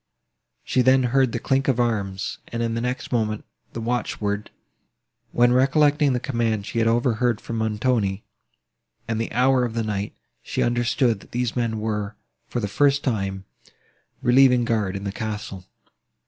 She then heard the clink of arms, and, in the next moment, the watch word; when, recollecting the command she had overheard from Montoni, and the hour of the night, she understood, that these men were, for the first time, relieving guard in the castle.